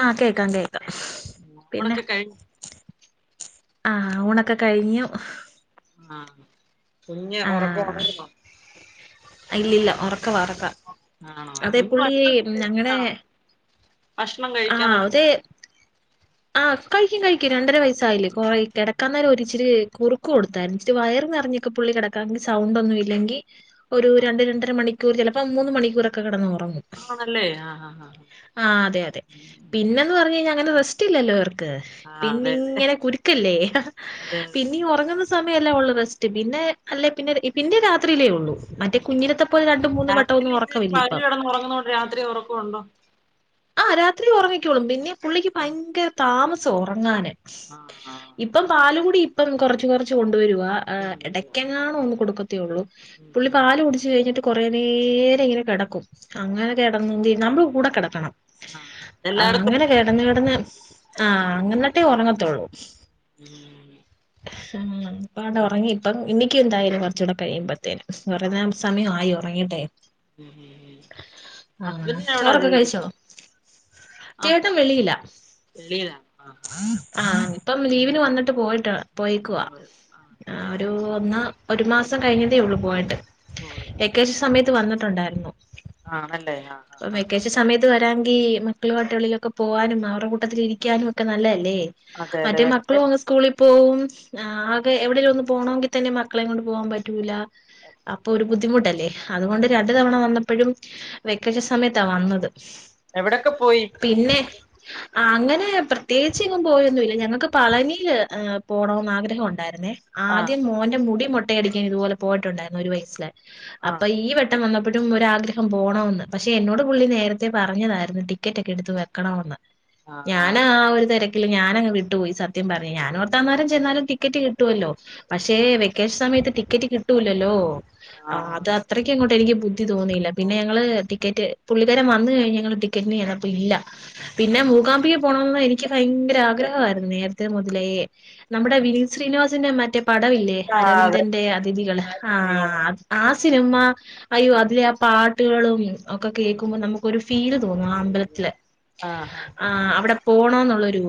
ആഹ് കേക്കാം കേക്കാം. പിന്നെ ടൊക്കെ കൈ ആഹ് ഊണൊക്കെ കഴിഞ്ഞു. ആഹ് കുഞ് ഉറക്കം ഉണര്ന്നോ? ഇല്ലല്ല ഉറക്ക ഉറക്ക ആണോ ആ അതേ കുഞ്ഞ് പുള്ളി ഭക്ഷണൊക്കെ ഞങ്ങടെ കഴിക്കുന്നാണോ ഭക്ഷണം കഴിക്കാൻ ആഹ് തുട അതെ ആഹ് കഴിക്കും കഴിക്കും രണ്ടര വയസ്സായില്ലേ കു കിടക്കാന്നരം ഒരിച്ചിരി കുറു കൊടുത്തായിരുന്നു ഇച്ചിരി വയർ നിറഞ്ഞൊക്കെ പുള്ളി കിടക്കാ സൗണ്ട് ഒന്നും ഇല്ലെങ്കി ആ ഒരു രണ്ട രണ്ടര മണി കൂർ ചിലപ്പോ മൂന്ന് മണിക്കൂറൊക്കെ കിടന്ന്റങ്ങും ആണെല്ലേ ആഹ് ആഹ് ആഹ് ആഹ് അതെ അതെ പിന്നന്ന് പറഞ്ഞഴിഞ്ഞാ അങ്ങനെ റെസ്റ്റ് ഇല്ലല്ലോ ഇവർ ക്ക്‌ ആ അതെ അതെ പിന്നങ്ങനെ കുരുക്കല്ലേ അതെ അതെ പിന്നീ ഉറങ്ങുന്ന സ് സമയല്ലേ ഉള്ളത്‌ റെസ്റ്റ് പിന്നെ അല്ലെ പിന്നെ പിന്നെ രാത്രിയിലേ ഉള്ളൂ. മറ്റേ കുഞ്ഞിനത്തെ പോലെ രണ്ടു മൂന്ന് വട്ടം ഒന്നും ഉറക്കമില്ല ഇപ്പം. ഉറങ്ങുന്നതോ ണ്ട് രാത്രി ഉറക്കുണ്ടോ? ആഹ് രാത്രി ഉറങ്ങിക്കോളും പിന്നെ പുള്ളിക്ക് ഭയങ്കര താമസം ഉറങ്ങാന്. ആ ആ ഇപ്പം പാലുകൂടി ഇപ്പം കൊറച്ച് കൊറച്ച് കൊണ്ടുവരുവാ. ശരി ആ ഇടയ്ക്കെങ്ങാണോ ഒന്ന് കൊടുക്കത്തേള്ളൂ ഉം പുള്ളി ഉം പാല് കുടിച് ച്ച് കഴിഞ്ഞിട്ട് കുറേ നേരം ഇങ്ങനെ കിടക്കും അങ്ങനെ കിടന്ന നമ്മൾ കൂടെ കിടക്കണം. ആ എല്ലായിടത്തും അങ്ങനെ തന്നെ. കിടന്ന് കിടന്ന് ആഹ് അങ്ങനട്ടേ ഉറങ്ങത്തുള്ളൂ. ഉം ആടെ ഉം ഉറങ്ങി പ്പം ഉം. എനികന്തായാലും കുറച്ചുകൂടെ കഴിയുമ്പത്തേനും കുറേ ആ സമയം ആയി ഉറങ്ങീട്ടെ. ഉം ഉം ഉം. ആഹ് ഹസ്ബൻഡിന് എവിടാ ചോറൊക്കെ ജോലി കഴിച്ചോ? ചേട്ടൻ വെളിയില. ഇല്യാ ആഹ് ഇപ്പം ലീവിന് വന്നിട്ട് പോയിട്ട് പോയിക്കവാ. ഇവൾ ആഹ് ആണല്ലേ ആ ഒരു ഒന്നാ ഒരു മാസം കഴിഞ്ഞതേ ഉള്ളൂ പോയിട്ട് പോയിട്ട് ഏകശം ആ സമയത്ത് വന്നിട്ടുണ്ടായിരുന്നു. ആണല്ലേ ആഹ് ആഹ് ഇപ്പൊ ആഹ് ആഹ് വെക്കേഷൻ സമയത്ത് വരാങ്കിൽ മക്കള പാട്ടികളിലൊക്കെ പോവാനും അവരുടെ കൂട്ടത്തിൽ ഇരിക്കാനും ഒക്കെ നല്ലല്ലേ? അതെ അതെ മറ്റേ വെക്കെ മക്കളും അങ് സ്കൂളി പോവും അതെ ആകെ എവിടെലുന്നു പോണങ്കി തന്നെ മക്കളെ കൊണ്ട് പോകാൻ പറ്റൂല്ല. അപ്പൊ ഒരു അല്ല ബുദ്ധിമുട്ടല്ലേ അതുകൊണ്ട് ഉം രണ്ട് തവണ വന്നപ്പഴും വെക്കശ സമയത്താ വന്നത്. എവിടെക്കെ പോയി? പിന്നെ അങ്ങനെ പ്രത്യേകിച്ച് ഇങ് പോയൊന്നുംല്ല ഞങ്ങക്ക് പളനില് എഹ് പോണോന്ന് ആഗ്രഹം ഉണ്ടായിരുന്നേ. ആ ആദ്യം മോന്റെ മുടി മുട്ടയടിക്കാൻ ഇതുപോലെ പോയിട്ടുണ്ടായിരുന്നു ഒരു വയസ്സില് ആ അപ്പൊ ഈ വെ ത്തം വന്നപ്പോതും ഒരാഗ്രഹം പോണോന്ന് പക്ഷെ ആ എന്നോട് പുള്ളി നേര തെ പറഞ്ഞതായിരുന്നു ടിക്കറ്റ് ഒക്കെ എടുത്ത് വെക്കണോംന്ന് ആ ആ ഞാന് ആഹ് ഒര് തെര ക്കില് ഞാനങ് വിട്ട് പോയി സത്യം പറയാ ഞാന് ഓർത്തന്നേരം ചെന്നാലും ടിക്കറ്റ് കിട്ടുവെല്ലോ പക്ഷേ വെ ക്കേഷ്മയത്ത് ടിക്കറ്റ് കിട്ടൂലല്ലോ ആ ആഹ് അത് അത്രയ്ക്ക് ങ്ങോട്ട് എനിക്ക് ബു ദ്‌ധി തോന്നിയില്ല പിന്നെ ഞങ്ങള് ടിക്കറ്റ് പുള്ളിക്കാരൻ വന്ന് കഴിഞ്ഞ ഞങ്ങള് ടിക്കറ്റിന് ചെന്നപ്പോ ഇല്ല പിന്നെ മൂകാംമ്പിക പോണോംന്ന് എനിക്ക് ഭയങ്കര ആഗ്രഹായിരുന്നു നേരത്തെ മുതലേ നമ്മുടെ വിനീത് ശ്രീനിവാസന്റെ മറ്റേ പടവില്ലേ ആ അതെ അരവിന്ദന്റെ അതിഥികള് ആഹ് ഉം ആഹ് സിനിമ അയ്യോ അതിലെ ആ പാട്ട്കളും ഒക്കെ ഉം കേൾക്കുമ്പോ നമു ഒരു ഫീല് തോന്നും ആ അമ്പലത്തിലെ ആ ആ ആഹ് അവിടെ പോണോന്നുള്ളൊരു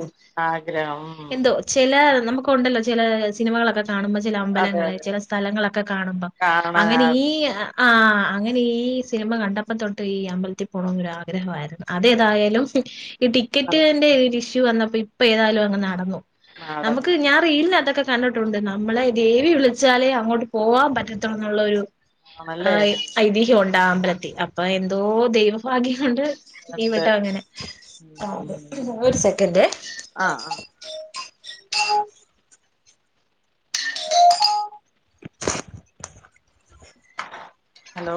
ആഗ്രഹം ഉം ചെല നമുക്കുണ്ടല്ലോ ചില സിനിമകളൊക്കെ കാണുമ്പോ ചെല അതെ അമ്പലങ്ങള് അതെ ചെല അതെ സ്ഥലങ്ങളൊക്കെ കാണുബം കാണാൻ അങ്ങനെ ഈ ആഗ്രഹം ആഹ് അങ്ങനെ ഈ സിനിമ കണ്ടപ്പ തൊട്ട് ഈ അമ്പലത്തിൽ പോണോന്ന് ഒര് ആഗ്രഹമായിരുന്നു ഉം അതേതായാലും ഈ ഉം നട ടിക്കറ്റിന്റെ ഇഷ്യൂ ഒര് വന്നപ്പോ ഇപ്പൊ ഏതായാലും അങ്ങ് നടന്നു നമുക്ക് നടന്ന് ഞാ രീലാതൊക്കെ കണ്ടിട്ടുണ്ട് നമ്മളെ ദേവി വിളിച്ചാലേ അങ്ങോട്ട് പോവാൻ പറ്റത്തോന്നുള്ളോരു ആണല്ലേ ആഹ് ഐതിഹ്യം ഉണ്ടാ അമ്പലത്തി അപ്പ എന്തോ ദൈവഭാഗ്യം കൊണ്ട് ഈ ഉണ്ട് വട്ട അങ്ങനെ ഉം ഉം ഒര് സെക്കൻഡേ ആഹ് ആഹ് ഹലോ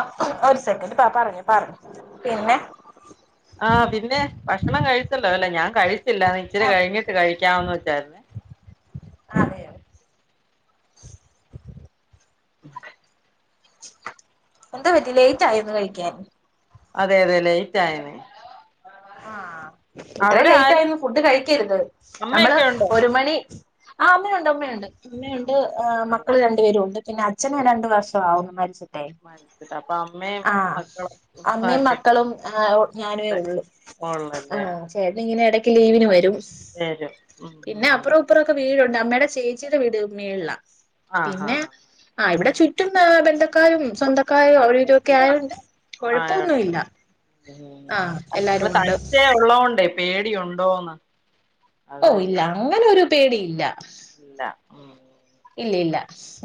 ആഹ് ഒര്സെക്കൻഡ് പ പറ്ഞ്ഞോ പറ്ഞ്ഞോ പിന്നെ ആഹ് പിന്നെ ഭക്ഷണം കഴിച്ചല്ലോലെ ഞാൻ കഴിച്ചില്ല ഇച്ചിരി ആ കഴിഞ്ഞിട്ട് കഴിക്കാന്ന് വിചാര് അതെയോ [inaudible] എന്തോ പറ്റി ലൈറ്റായോ ഇന്ന് കഴിക്കാൻ അതെ അതെ ലേയ്റ്റായെനേ ആഹ് ഇത്ര അവിടെ ആരും ലേയ്റ്റായെന്ന് ഫുഡ് കഴിക്കരുത് നമ്മള് അമ്മയൊക്കെ ഉണ്ടോ ഒരു മണി ആഹ് അമ്മയുണ്ട് അമ്മയുണ്ട് അമ്മയുണ്ട് ആഹ് മക്കൾ രണ് ണ്ട് പേരുണ്ട് പിന്നെ അച്ഛനെ രണ്ട് വർഷം ആവുന്നു മരിച് ട്ട് മരിച്ചിട്ട് അപ്പൊ അമ്മയും ആഹ് മക്കളും അമ്മയും ഒക്കെ മക്കളും ഞാനേ ഒള്ളു ഉള്ളോല്ലേ ആഹ് ചേട്ടനിങ്ങനെ എടയ്ക്ക് ലീവിന് വരും ഏഹ് പിന്നെ അപ്പറൂം ഇപ്പറൂം ഒക്കെ വീടുണ്ട് അമ്മയുടെ ചേച്ചീയിടെ വീട് മേളിലാ ആഹ് പിന്നെ ആഹ് ആഹ് ഇവിടെ ചുറ്റും ഏ ബന്ധക്കാരും സ്വന്തം ക്കാരും അവിടെവിടൊക്കെ ആഹ് ആയോണ്ട് ആയുണ്ട് കൊഴപ്പൊന്നുല്ല. ആ എല്ലാരും നിങ്ങള് ഉണ്ട് തനിച്ചേ ഉള്ളോണ്ടേ പേടിയുണ്ടോന്ന്?? ഓ അതാ ഇല്ല അങ്ങനെ ഒരു പേടിയില്ല. ഇല്ലാ ഇല്ല ഇല്ല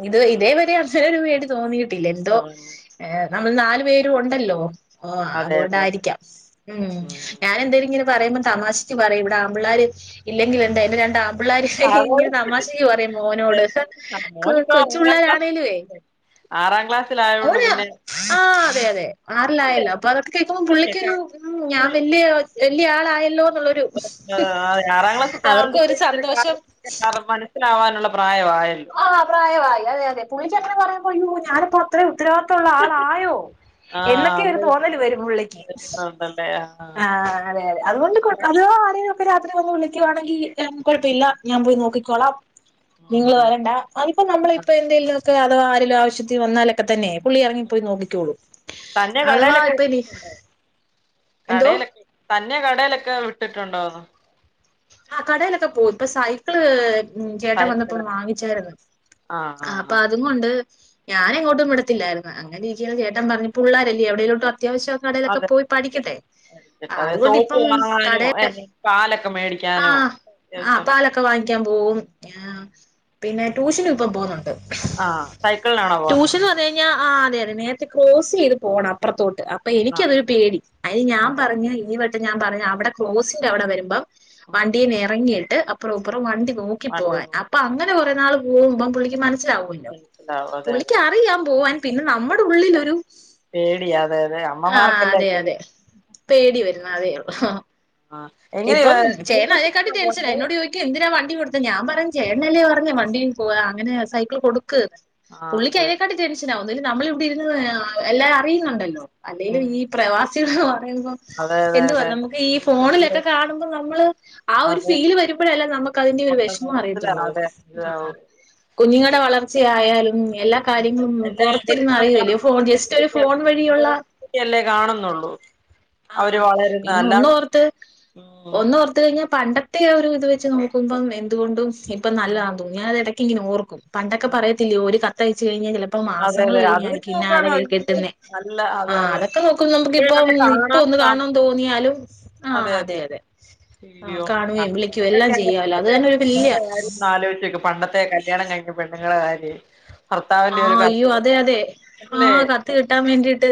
ഇത് ഇതേവരെ അങ്ങനൊരു പേടി തോന്നിയിട്ടില്ല. എന്തോ ഏ ആഹ് നമ്മൾ നാലു പേര് ഉണ്ടല്ലോ ആഹ് അത് അതെ അതെ അതെ കൊണ്ടായിരിക്കാം. ഉം ഞാന് എന്തേലും ഇങ്ങനെ പറയുമ്പോ തമാശക്ക് ക് പറയും ഇവിടെ ആമ്പിള്ളാര് ഇല്ലെങ്കിൽ എന്താ എന്റെ രണ്ട് ആമ്പിള്ളാര് ഇങ്ങനെ തമാശക്ക് പറയും മോനോട്. അത് കൊ മോനിപ്പോ കൊച്ച് ആറാം ക്ലാസ് പിള്ളേരാണേലുവേ ആറാം ക്ലാസ്സിലായോണ്ട് അവനാ പിന്നെ ആഹ് അതെ അത് അതെ അല്ലേ, ആറിലായല്ലോ അപ്പൊ അതൊക്കെ കേൾക്കുമ്പോ പിന്നെ പുള്ളിക്കൊരു ഉം ഞാൻ ഫുൾ വെല്ല്യ വെല്ല്യ ആളായല്ലോ ന്നുള്ളൊരു ആഹ് ആറാം ക്ലാസ്സൊക്കെ ഒരു ആവുമ്പഴത്തേക്കിനും സന്തോഷം കാര്യങ്ങൾ മനസ്സിലാവാനുള്ള പ്രായമായല്ലോ ആഹ് പ്രായമായി അതെ അതെ പുളിക്കങ്ങനെ പറഞ്ഞപ്പോ അയ്യോ ഞാനിപ്പം ഇത്ര ഉത്തരവാദിത്തൊള്ള ആളായോ എന്നൊക്കെ ഒരു ആഹ് തോന്നല് വരും പുള്ളിക്ക്. ആഹ് അതെ അതെ അതുകൊണ്ട് കൊയപ് അത് അറിയും. ഇപ്പം രാത്രി വന്ന് വിളിക്കുവാണെങ്കിൽ കൊഴപ്പയില്ല ഞാൻ പോയി നോക്കിക്കോളാം നിങ്ങള് വ ഇല്ല അതിപ്പോ നമ്മളിപ്പോ എന്തേലൊക്കെ അതോ ആരേലും ആവശ്യത്തിന് വന്നാല് ഒക്കെ തന്നെ പുള്ളി ഇറങ്ങിപ്പോയി നോക്കിക്കോളും. തന്നെ അഥവാ കടയിലൊക്കെ ഇപ്പ ഇനി വിട്ടിട്ടുണ്ടോ എന്തോ കടയിലൊക്കെ തന്നെ കടയിലൊക്കെ വിട്ടിട്ടുണ്ടോന്ന്?? ആ കടയിലൊക്കെ പോകും. ഇപ്പൊ സൈക്കിള് ഉം ചേട്ടൻ വന്നപ്പം സൈക്കിള് വാങ്ങിച്ചായിരുന്നു. ആഹ് ആഹ് അപ്പൊ അത് ആഹ് അതും കൊണ്ട് ഞാന് എങ്ങോട്ടും വിടത്തില്ലായിരുന്നു. അങ്ങനെ ഇരിക്കുമ്പം ചേട്ടൻ പറഞ്ഞ് പുള്ളോരല്ലേ എവിടേലോട്ടും അത്യാവശ്യം കടയിലൊക്കെ അതെ പോയി പഠിക്കെട്ടെ എടുത്തിട്ട് അതെ അതുകൊണ്ട് സോപ്പ് ഇപ്പം വാങ്ങാനോ കടേല് ഏ പാലൊക്കെ മേടിക്കാനോ അത്യാവശ്യം ഒക്കെ വാങ്ങിക്കാൻ പോകും. പിന്നെ ട്യൂഷനും ഇപ്പം പോകുന്നുണ്ട്. ആഹ് സൈക്കിളിലാണോ പോകുന്നേ? അത് കഴിഞ്ഞാ ആ അതെ അതെ നേരത്തെ ക്രോസ് ചെയ്ത് പോകണം അപ്പ്റത്തോട്ട് അപ്പൊ ആഹ് എനിക്കതൊരു പേടി അയിൽ ഞാൻ ആഹ് പറഞ്ഞ് നി വട്ടം ഞാൻ പറഞ്ഞു അവിടെ ക്രോസിൻ്റെ അവിടെ വരുമ്പം വണ്ടീന്ന് ഇറങ്ങിയിട്ട് അപ്പറും ഇപ്പറും വണ്ടി നോക്കി വണ്ടി പോവാൻ. നോക്കും അപ്പൊ അങ്ങനെ കുറെ നാൾ പോകുമ്പം പുള്ളിക്ക് മനസില ഉച്ചാവല്ലോ മനസ്സിലാവും അതെ പുള്ളിക്ക് അതെ അറിയാം പോവാൻ പിന്നെ നമ്മുടെ ഉള്ളിലൊരു പേടിയാ അതെ അതെ ആഹ് അമ്മമാർക്കല്ലേ അതെ അതെ കൂടുതൽ പേടി വരുന്നു അതേ ഉള്ളൂ. ആഹ് എങ്ങനെയ ഇപ്പം സ്കൂൾ ചേട്ടന് അതിനേക്കാട്ടിലും ബസിനാണോ ടെൻഷനാ പോന്നത് എന്നോട് ചോദിക് ക്ക് എന്തിനാ വണ്ടി കൊടുത്തത്. ഞാൻ പറയും ചേട്ടനല്ലേ പറഞ്ഞെ വണ്ടിയിൽ പോവാ അങ്ങനെ സൈക്കിൾ കൊടുക്ക് ആഹ് പുള്ളിക്ക് അതെ അയിനേക്കാട്ടിലും ടെൻഷനാ ഒന്നില്ലേര് നമ്മള് അതെ ഇവിടെ ഇരുന്ന് എല്ലാം അറിയുന്നുണ്ടല്ലോ. അല്ലേലും ഉം ഈ പ്രവാസികൾ എന്ന് പറയുമ്പം അതെ അതെ എന്തുവാ അതെ അതെ നമുക്ക് ഈ ഫോണിലൊ അയ്യോ ഒക്കെ കാണുമ്പം നമ്മള് ആ ഒരു അതെ ഫീൽ വരുമ്പൊഴല്ലേ നമുക്ക് അതിന്റെ ഒരു വെഷ്മം അറിയത്തുള്ളൂ. ആഹ് എന്താവും കുഞ്ഞുങ്ങളുടെ വളർച്ചയായാലും എല്ലാ അതെ കാര്യങ്ങളും എല്ലാം എവിടെ പൊറത്തിരുന്ന് ഇരുന്നോണ്ടാ അറിയുവല്ലേ ഫോൺ ജസ്റ്റ് ഒരു ഫോൺ വഴിയുള്ള ല്ലേ കാണുന്നുള്ളൂ ആഹ്വാന അവര് അതെ വളരുന്ന പിന്നെ അല്ലാതെ ഒന്ന് ഓർത്ത് ഉം ഒന്ന് ഓർത്ത് കഴിഞ്ഞാൽ പണ്ടത്തെ ഒരു ഇത് വെച്ച് നോക്കുമ്പം എന്തുകൊണ്ടും ഇപ്പ നല്ലതാന്ന് തോന്നും ഞാന് ഇത് എടെക്ക് ഇങ്ങനെ ഓർക്കും പണ്ടൊക്കെ പറയത്തില്ലയോ ഒരു കത്ത് അയച്ച് കഴിഞ്ഞാ ചെല ഇപ്പം അതെ മാസങ്ങള് അതെ അത് വെച്ച് കഴിഞ്ഞായിരിക്കും ഇന്ന നോക്കാണ് ആടെ കൈ അയ്യോ കിട്ടുന്നെ നല്ല അതെ ആഹ് അതെ അതൊക്കെ നോക്കുമ്പം ഇപ്പഴാണ് നമ്മക്കിപ്പം [unintelligible] ന്നിയാലും ആഹ് അതെ അതെ ആഹ് അയ്യോ കാണുകയും ആഹ് വിളിക്കുകയും എല്ലാം പണ്ടൊക്കെ ആന്നേ ചെയ്യാലോ അത് തന്നെ ഒരു വല്യ [unintelligible] ആലോചിച്ച് നോക്ക് പണ്ടത്തെ കല്യാണം കഴിഞ്ഞ പെണ്ണുങ്ങളെ കാര്യവേ ആഹ് അയ്യോ അതെ അതെ അല്ലേ ആഹ് കത്ത് കിട്ടാൻ വേണ്ടീട്ട്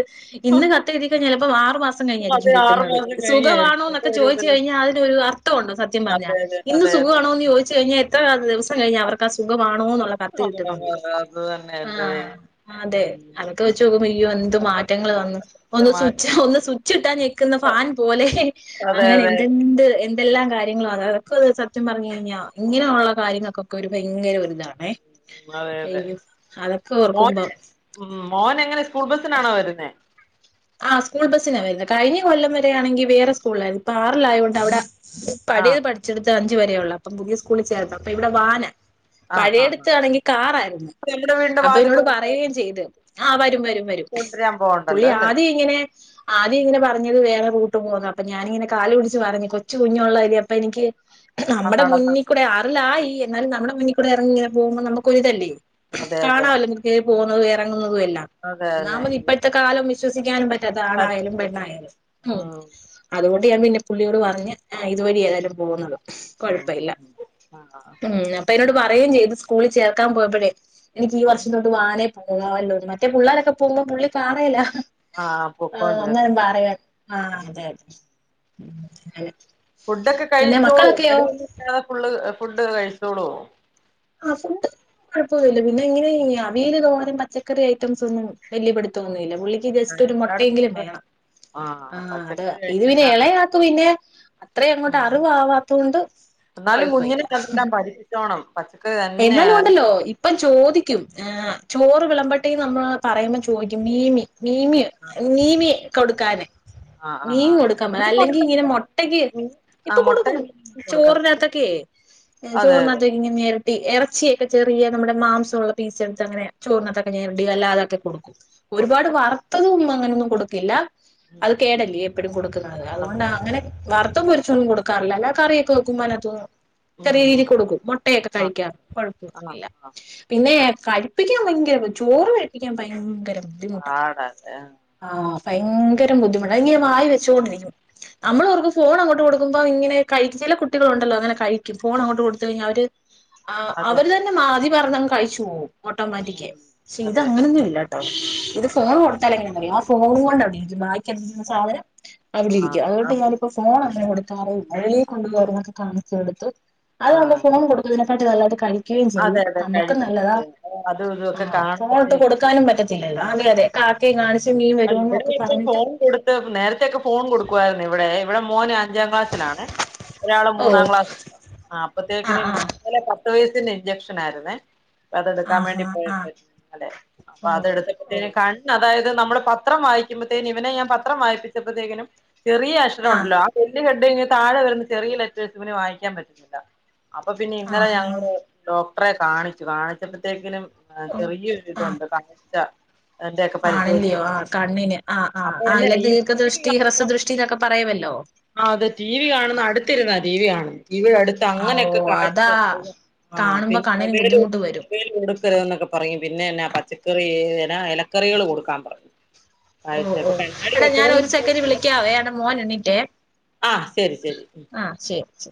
ഇന്ന് കത്ത് എഴുതി ചെലപ്പം ആറ് മാസം മാസം അത് കഴിഞ്ഞായിരിക്കും ആറു കിട്ടുന്നത് മാസം കഴിഞ്ഞായിരിക്കും എന്റെ സുഖവാണോന്നൊക്കെ ഒരു ചോദിച്ചു ഇതില് കഴിഞ്ഞാ അതിനൊരു അർത്ഥവൊണ്ടോ സത്യം പറഞ്ഞാ അതെ അതെ ഇന്ന് അതെ അതെ സുഖവാണോ എന്ന് ചോദിച്ചു കഴിഞ്ഞാ എത്രാ ദിവസം കഴിഞ്ഞാ അവർക്ക് ആ സുഖമാണോ എന്നുള്ള കത്ത് കിട്ടുന്നത് അത് തന്നെ [unintelligible] ആഹ് അതെ അതൊക്കെ ഉം വെച്ച് നോക്കുമ്പോ ഇയ്യോ എന്ത് മാറ്റങ്ങള് വന്ന് ഒന്ന് നമ്മക്ക് സുച്ഛ് ഒന്ന് സുച്ഛ് സുച്ഛിട്ടാ ഞെക്കുന്ന ഫാൻ പോലെ അതെ അങ്ങനെ അതെ എന്തെ ഇണ്ട് എന്തെല്ലാം കാര്യങ്ങളാ അതൊക്കെത് സത്യം പറഞ്ഞ് കഴിഞ്ഞാ അതെ ഇങ്ങനെയുള്ള കാര്യങ്ങൾക്കൊ ക്കെ ഒരു ഭയങ്കര ഒരിതാണേ അതെ അതെ അയ്യോ അതൊക്കെ മോന് ഓർക്കുമ്പം ഉം മോൻ എങ്ങനെ സ്കൂൾ ബസ്സിനാണോ വരുന്നേ ആഹ് സ്കൂൾ ബസ്സിനാ വെരുന്നെ കഴിഞ്ഞ കൊല്ലം വരെ ആണെങ്കി വേറെ സ്കൂളിലായിരുന്നു ഇപ്പ ആറിലായ കൊണ്ട് അവിടെ ആഹ് പഴയത് പഠിച്ചെടുത്ത് അഞ്ച് വരേ ഒള്ളൂ അപ്പൊ പുതിയ സ്കൂളി ചേരണം അപ്പൊ ഇവിടെ വാനാ ആഹ് ആഹ് ആഹ് പഴയെടുത്താണെങ്കി കാറായിരുന്നു നമ്മുടെ വീടിന്റെ അപ്പൊ വാതിക്ക എന്നോട് പറയുകയും ചെയ്ത് ആഹ് വരും വരും വരും കൊണ്ടുവരാൻ പുള്ളി പോവണ്ടല്ലോ അല്ലേ ആദ്യം ഇങ്ങനെ ആദ്യം ഇങ്ങനെ പറഞ്ഞത് വേറെ കൂട്ട് പോന്നു അപ്പൊ ഞാനിങ്ങനെ കാല് പിടിച്ച് പറഞ്ഞ് കൊച്ചു കുഞ്ഞ് ഒള്ളയല്ലേ അപ്പൊ എനിക്ക് ആഹ് നമ്മടെ നടന്ന് മുന്നി കൂടെ ആറിലായി എന്നാലും നമ്മടെ മുന്നി കൂടെ എറങ്ങിയിങ്ങനെ പോകുമ്പോ നമ്മക്ക് ഒരിതല്ലേ അതെ അതെ കാണാവല്ലോ കേറി ഉം പോകുന്നതും എറങ്ങുന്നതും എല്ലാം അതെ തന്നെ ഒന്നാമത് ഇപ്പഴ്ത്തെ കാലം വിശ്വസിക്കാനും പറ്റാത്ത ആണായാലും പറ്റത്തില്ല പെണ്ണായാലും ഉം അതുകൊണ്ട് ഞാൻ പിന്നെ പുള്ളിയോട് പറഞ്ഞ് ആഹ് ഇതുവഴി ഏതായാലും പോകുന്നത് ഉം ഉം കൊഴപ്പയില്ലാ ഉം ആഹ് ഉം അപ് പപ്പേനോട് പറയും ചെയ്ത് സ്കൂളി ചേർക്കാൻ പോയപ്പഴേ എനിക്ക് ഈ ഉം വർഷം തൊട്ട് വാനേ പോ പോകാവല്ലോന്ന് മറ്റേ പുള്ളാരൊക്കെ പോകുമ്പോ പുള്ളി കാറേലാ ആഹ് ആഹ് പൊക്കോണ്ടിരുന്നു അന്നേരം പറയുവാരുന്നു ആഹ് ഉം അതെ അതെ ഉം അങ്ങനെ ഫുഡൊക്കെ പിന്നെ കഴിച്ചോളുവോ മക്കളൊക്കെയോ മടി ഒന്നും ഇല്ലാതെ ഫുള്ള് ഫുഡ് കഴിച്ചോളുവോ ആഹ് ഫുഡ് കൊഴപ്പൊന്നും ഇല്ലാ പിന്നെ ഇങ്ങനെ ഈ അവിയല് തോരൻ പച്ചക്കറി ഐറ്റംസ് ഒന്നും വെല്ല്യ പിടുത്തവൊന്നുവില്ലാ പുള്ളി ജസ്റ്റ് ആഹ് ഒരു എല്ലായിടത്തും മത്തിയെങ്കിലും അത് തന്നെ വേണം ആഹ് അതാ പച്ചക്കറി ഇത് പിന്നെ കഴിക്കാനാ എളയാക്ക് പിന്നെ അത്രയും അങ്ങോട്ട് ഉം അറിവാവാത്ത കൊണ്ട് കൊഴപ്പയില്ലാ ണം പച്ചക്കറി തന്നെ [unintelligible] ഇപ്പം ചോദിക്കും ഏഹ് ചോറ് വിളമ്പട്ടെന്ന് നമ്മൾ പറയുമ്പം ചോദിക്കും മീമി മീമിയൊ ആഹ് മീമി കൊടുക്കാന് ആഹ് ആഹ് മീൻ ആഹ് കൊടുക്കാൻ മീൻ പറയും അല്ലെങ്കി ഇങ്ങനെ കൊടുക്കത്തില്ല മൊട്ടയ്ക്ക് മീൻ ഇപ്പൊ ആഹ് മുട്ട കൊടുക്കും കൊടുക്കാം ചോറിനാത്തൊക്കെയെ ഏഹ് അതെ അതെ ചോറിനാത്തിക്കിങ്ങനെ ഞെ ഈ എറച്ചിയെക്കെ ചെറിയ നമ്മടെ മാംസൊള്ള പീസ് എടുത്ത് അങ്ങനെ ചോറിനാത്തൊക്കെ ന്തെരടി അല്ലാതൊക്കെ കൊടുക്കും ഒരുപാട് കൊടുക്കും വറുത്തത ഒന്നും അങ്ങനെയൊന്നും കൊടുക്കില്ല ഉം അത് ഉം കേടല്ലേ എപ്പോഴും കൊടുക്കുന്നത് അതെ അതുകൊണ്ട് അതെ അങ്ങനെ വറുത്തും പൊരിച്ചൊതോന്നും കൊടുക്കാറില്ല അല്ല കറിയൊക്കെ വെക്കും മനത്ത ഉം ചെറിയ രീതി ഉം കൊടുക്കും മുട്ടയൊക്കെ ആഹ് കഴിക്കാൻ ആഹ് കുഴപ്പാെന്നുല്ല ആഹ് പിന്നെ ഉം കഴിപ്പിക്കാൻ ഭയങ്കര ചോറ് കഴിപ്പിക്കാൻ ഭയങ്കര ബുദ്ധിമുട്ടാ പാടാലെ ആഹ് ഭയങ്കര ബുദ്ധിമുട്ട് അ ഞാൻ വായി വെച്ചുകൊണ്ടിരിക്കും നമ്മൾ ആഹ് അവർക്ക് ഫോൺ അങ്ങോട്ട് കൊടുക്ക ക്ക്മ്പോ ഇങ്ങനെ കഴി ചില കുട്ടികളുണ്ടല്ലോ അങ്ങനെ കഴിക്കും ഫോണങ്ങോട്ട്‌ കൊടുത്ത കഴിഞ്ഞാ അവര് ആഹ് അതെ അവര് അതെ തന്നെ മാതി പറഞ്ഞ ന കഴിച്ചു പോകും ഓട്ടോമാറ്റിക്ക ഉം ക്ഷെ ഇത് അതെ അങ്ങനെൊന്നും ഇല്ല ഇത് ഇല്ല ഫോൺ കൊടുത്താലെങ്ങനെന്താ പറ ആ ഫോൺ കൊണ്ട് അവിടെരിക്കും വായിക്കരിക്കുന്ന സാധനം അവടെ ആഹ് ഇരിക്കും അതുകൊണ്ട് അവിടെ ഞാനിപ്പോ ഫോൺ അങ്ങനെ കൊടുക്കാറേ ഇല്ല വെളിൽ കൊണ്ടു പോയി ഓരോന്നൊക്കെ കാണിച്ച് കാെടുത്ത് അത് നമ്മൾ ആഹ് ഫോൺ കൊടുുന്നതിനെകാട്ടി നല്ലത് കഴിക്ക യും ചെയും അതെ അതെ നമുക്ക് നല്ലതാ കഴിക്കുന്നില്ല അതും ഇതും ഒക്കെ ആഹ് ഫോണോട്ട് കാണുമ്പത്തേക്കും കൊടുക്കാനും പറ്റ ത്തില്ലല്ലോ അതെ അതെ കാക്കയും കാണിച്ച് നീൻ വരുമോ എന്നും ഒക്കെ പറഞ്ഞിട്ട് നേരത്തൊക്കെ ഫോൺ കൊടുക്കുവായിരുന്നു ഇവിടെ ഇവിടെ മോന് അഞ്ചാം ക്ലാസ്സിലാണ് ഒരാള് ഓ മൂന്നാം ക്ലാസ് ആഹ് അപ്പത്തേക്കിന് ആഹ് ഇന്നലെ പത്തു വയസിന്റെ ഇഞ്ചെക്ഷൻ ആയിരുന്നേ ആഹ് അതെടുക്കാൻ ആഹാ ആഹ് വേണ്ടിപ്പോയപ്പഴെ അതെ അപ്പൊ ഓ അതെടു ഓ അതായത് നമ്മള് പത്രം വായിക്കുമ്പോത്തേനും ഇവനെ ഞാൻ പത്രം വായിപ്പിച്ചപ്പോഴത്തേക്കിനും ചെറിയ അക്ഷ ക്ഷര ആഹ് ണ്ടല്ലോ ആ ചല്ല [unintelligible] താഴെ വരുന്ന ചെറിയ ലെറ്റേഴ്സ് ഇവന് വായിക്കാൻ പറ്റുന്നില്ല അപ്പൊ പിന്നെ ഇന്നലെ ആഹാ ഞങ്ങള് ഡോക്ടറെ കാണിച്ചു കാണിച്ചപ്പോഴത്തേക്കിനും ആഹ് ഓ ചെറിയൊരു ഇതുണ്ട് കാഴച ആഹ് ല്ലിയോ ആഹ് കണ്ണിന് ആഹ് ആഹ് ആഹ് അപ്പൊ എന്നെ അയിലെ ഈ ടി വി ദീർഘദൃഷ്ടി കാണുന്ന ഹ്രസദൃഷ്ടി എന്നൊക്കെ പറയവല്ലോ ആ അത് ടി വി കാണുന്ന അടുത്തിരുന്നാ ടി വി കാണുന്നു ടി വി അടു ഇ ആഹ് ഓ അങ്ങനെയൊക്കെ കാഴ്ച അതാ ആ കാണുമ്പോ പിന്നെൽ കണ്ണിന് മൊബൈൽ ബുദ്ധിമുട്ട് വരും മൊബൈലിൽ പ എന്നൊക്കെ പറു പിന്നെന്നാ പച്ചക്കറി എന്നാ ഇലക്കറികൾ കൊടുക്കാൻ പറഞ്ഞു ഓഹ് കാഴ്ച അപ്പൊ ഓഹ് കണ്ണാടി എടാ ഞാൻ വെക്കണോന്ന് ഒരു സെക്കൻഡറ് ഇരിപ്പുണ്ടല്ലോ വിളിക്കാവേ അടാ മോൻ എണ്ണീട്ടേ ആഹ് ശരി ശരി ശരി